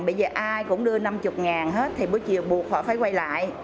bây giờ ai cũng đưa năm mươi hết thì buổi chiều buộc họ phải quay lại